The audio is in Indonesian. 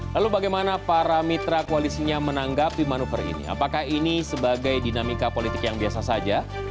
lalu bagaimana para mitra koalisinya menanggapi manuver ini apakah ini sebagai dinamika politik yang biasa saja